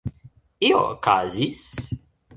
Io okazis.